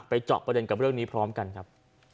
เจาะประเด็นกับเรื่องนี้พร้อมกันครับ